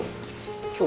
今日。